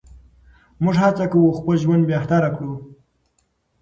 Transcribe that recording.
موږ هڅه کوو خپل ژوند بهتر کړو.